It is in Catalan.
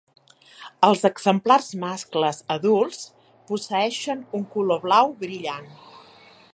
Els exemplars mascles adults posseeixen un color blau brillant.